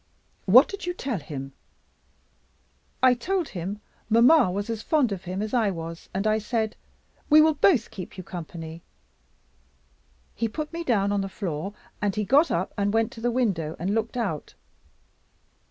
"What did you tell him?" "I told him, mamma was as fond of him as I was, and I said, 'We will both keep you company.' He put me down on the floor, and he got up and went to the window and looked out.